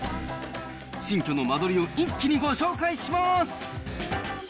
新居の間取りを一気にご紹介します。